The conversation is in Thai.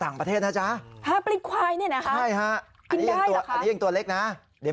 อะไรอ่ะคุณดอม